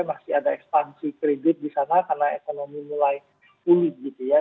masih ada ekspansi kredit di sana karena ekonomi mulai pulih gitu ya